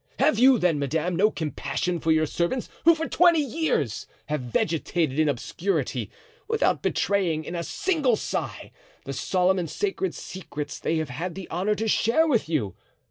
Have you, then, madame, no compassion for your servants who for twenty years have vegetated in obscurity, without betraying in a single sigh the solemn and sacred secrets they have had the honor to share with you?